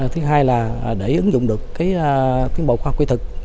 thứ hai là để ứng dụng được tiến bộ khoa học kỹ thực